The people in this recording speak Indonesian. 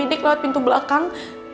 minik minik lewat pintu belakang